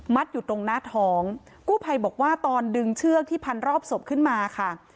อยู่ตรงหน้าท้องกู้ภัยบอกว่าตอนดึงเชือกที่พันรอบศพขึ้นมาค่ะ